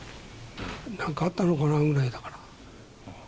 なんかあったのかなぐらいだから。